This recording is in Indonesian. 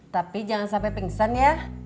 tapi jangan sampai pingsan ya